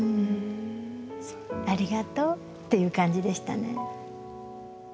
「ありがとう」っていう感じでしたね。